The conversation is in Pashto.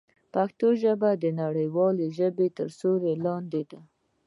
پښتو ژبه د نړیوالو ژبو تر سیوري لاندې ده.